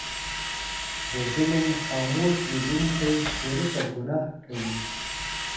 د ظلم خاموش لیدونکی شریکه ګناه کوي.